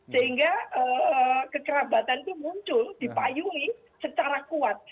sehingga kekerabatan itu muncul dipayungi secara kuat